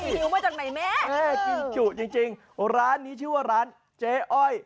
อุ้ยยิ้วมาจากไหนแม่จริงร้านนี้ชื่อว่าร้านเจ๊อ้อย